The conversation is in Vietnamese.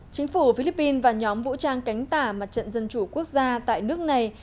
chính phủ philippines và nhóm vũ trang cánh tả mặt trận dân chủ quốc gia tại nước này